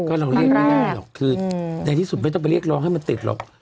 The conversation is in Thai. ก็เราเรียกไม่ได้หรอกคือในที่สุดไม่ต้องไปเรียกร้องให้มันติดหรอก